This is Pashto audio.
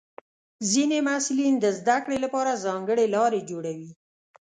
ځینې محصلین د زده کړې لپاره ځانګړې لارې جوړوي.